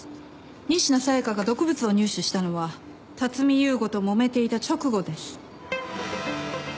仁科紗耶香が毒物を入手したのは辰巳勇吾ともめていた直後です。